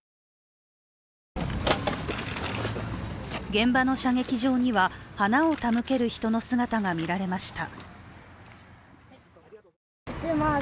現場の射撃場には花を手向ける人の姿が見られました。